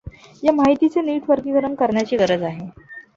या माहितीचे नीट वर्गीकरण करण्याची गरज आहे.